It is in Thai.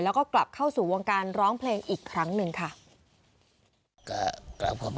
แล้วก็กลับเข้าสู่วงการร้องเพลงอีกครั้งหนึ่งค่ะ